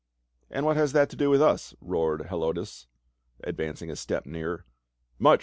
" And what has that to do with us?" roared Helo tus, advancing a step nearer. " Much